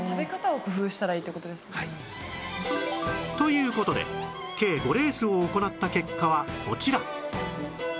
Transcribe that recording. そうかという事で計５レースを行った結果はこちら